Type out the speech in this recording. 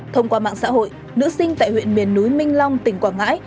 thông qua mạng xã hội nữ sinh tại huyện miền núi minh long tỉnh quảng ngãi